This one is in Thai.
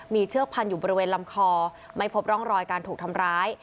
มีเชือกพันอยู่บริเวณลำคอไม่พบร่องรอยการถูกทำร้าย